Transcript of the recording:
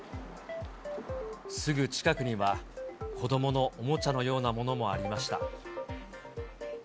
すぐ近くには、子どものおもちゃのようなものもありました。